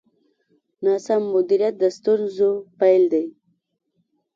ناسم مدیریت د ستونزو پیل دی.